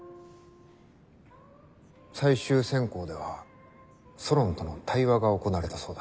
最終選考ではソロンとの対話が行われたそうだ。